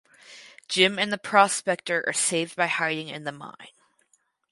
Jim and the prospector are saved by hiding in the mine.